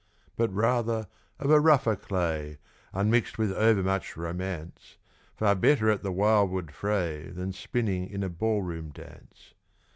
But rather of a rougher clay Unmixed with overmuch romance, Far better at the wildwood fray Than spinning in a ballroom dance.